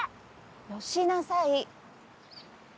・よしなさい。